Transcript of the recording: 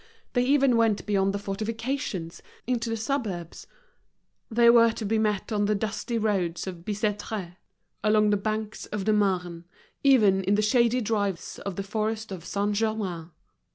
They even went beyond the fortifications, into the suburbs; they were to be met on the dusty roads of Bicêtre, along the banks of the Marne, even in the shady drives of the Forest of Saint Germain.